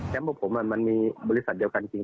พวกผมมันมีบริษัทเดียวกันจริง